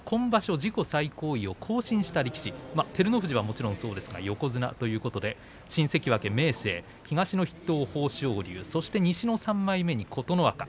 自己最高位を更新した力士照ノ富士はもちろんそうですが横綱ということで新関脇明生東の筆頭豊昇龍、西の３枚目琴ノ若。